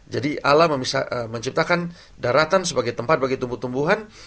jadi allah menciptakan daratan sebagai tempat bagi tumbuh tumbuhan